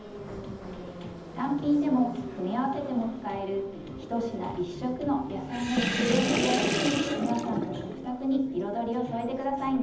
単品でも組み合わせても使える「１品１色の野菜のつくりおき」で皆さんの食卓に彩りを添えて下さいね。